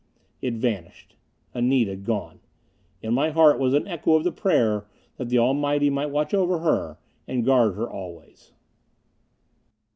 It vanished. Anita gone. In my heart was an echo of the prayer that the Almighty might watch over her and guard her always....